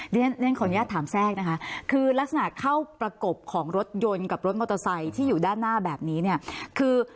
เรียนขออนุญาตถามแทรกนะคะคือลักษณะเข้าประกบของรถยนต์กับรถมอเตอร์ไซค์ที่อยู่ด้านหน้าแบบนี้เนี่ยคือ